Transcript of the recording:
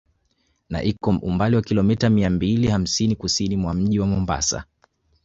Na iko umbali wa Kilometa mia mbili hamsini Kusini mwa Mji wa Mombasa